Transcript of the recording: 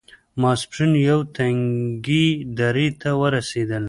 ماسپښين يوې تنګې درې ته ورسېدل.